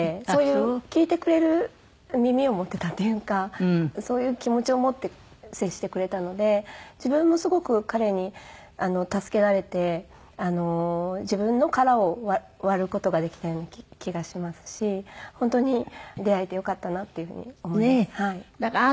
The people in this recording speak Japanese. そういう聞いてくれる耳を持っていたというかそういう気持ちを持って接してくれたので自分もすごく彼に助けられて自分の殻を割る事ができたような気がしますし本当に出会えてよかったなっていうふうに思います。